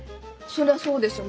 そりゃそうでしょ。